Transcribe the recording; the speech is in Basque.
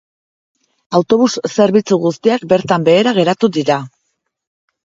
Autobus zerbitzu guztiak bertan behera geratu dira.